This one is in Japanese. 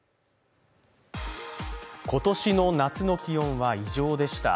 今年の夏の気温は異常でした。